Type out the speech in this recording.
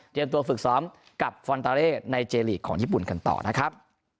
ตัวฝึกซ้อมกับฟอนตาเล่ในเจลีกของญี่ปุ่นกันต่อนะครับ